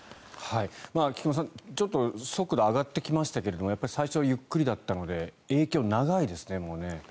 菊間さん、ちょっと速度が上がってきましたけどやっぱり最初はゆっくりだったので影響が長いですね、もうね。